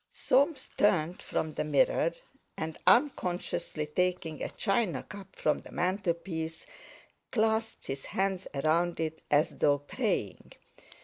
Soames turned from the mirror, and unconsciously taking a china cup from the mantelpiece, clasped his hands around it as though praying.